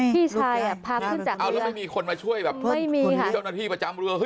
พี่ชายพาขึ้นจากเรือไม่มีคุณพี่เจ้าหน้าที่ประจำเรือ